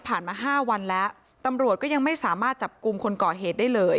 มา๕วันแล้วตำรวจก็ยังไม่สามารถจับกลุ่มคนก่อเหตุได้เลย